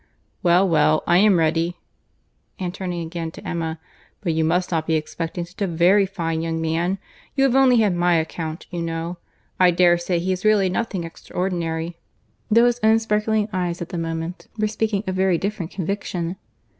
"Well, well, I am ready;"—and turning again to Emma, "but you must not be expecting such a very fine young man; you have only had my account you know; I dare say he is really nothing extraordinary:"—though his own sparkling eyes at the moment were speaking a very different conviction.